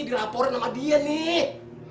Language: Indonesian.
diraporin sama dia nih